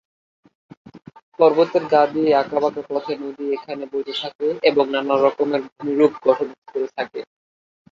পর্বতের গা দিয়ে আঁকা বাঁকা পথে নদী এখানে বইতে থাকে এবং নানা রকমের ভূমিরূপ গঠন করে থাকে।